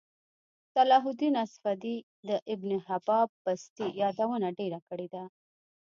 صلاحالدیناصفدی دابنحبانبستيیادونهډیره کړیده